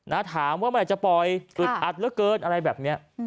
ถามว่าเมื่อไหร่จะปล่อยอึดอัดเหลือเกินอะไรแบบนี้